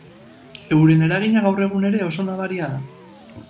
Euren eragina gaur egun ere oso nabaria da.